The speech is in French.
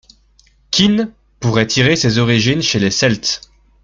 Kin pourrait tirer ses origines chez les Celtes.